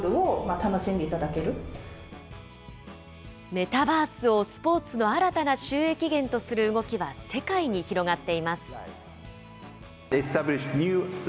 メタバースをスポーツの新たな収益源とする動きは世界に広がっています。